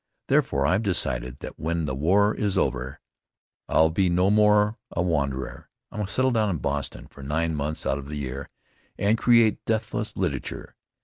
Therefore, I've decided that, when the war is over, I'll be no more a wanderer. I'll settle down in Boston for nine months out of the year and create deathless literature.